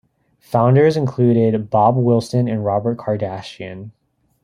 Founders included Bob Wilson and Robert Kardashian.